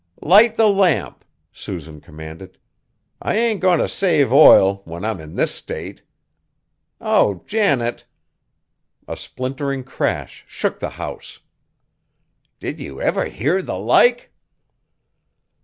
"Light the lamp!" Susan commanded. "I ain't goin' t' save oil, when I'm in this state. Oh! Janet," a splintering crash shook the house, "did you ever hear the like?"